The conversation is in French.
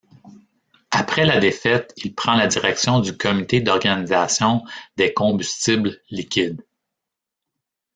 Après la défaite, il prend la direction du comité d'organisation des combustibles liquides.